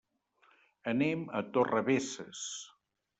Anem a Torrebesses.